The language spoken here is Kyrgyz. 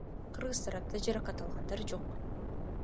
Кыргыз тарапта жаракат алгандар жок.